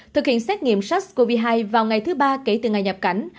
thực hiện xét nghiệm sars cov hai vào ngày thứ ba kể từ ngày nhập cảnh